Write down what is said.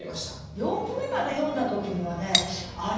四句目まで読んだ時にはねあれ？